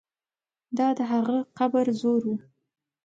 دا د هغه قبر زور وو.